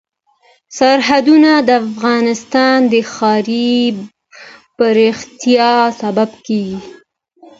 سرحدونه د افغانستان د ښاري پراختیا سبب کېږي.